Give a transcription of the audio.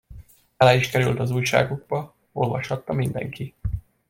Bele is került az újságokba, olvashatta mindenki.